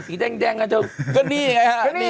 สีแดงกันจง